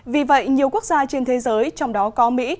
vì vậy nhiều quốc gia trên thế giới trong đó có mỹ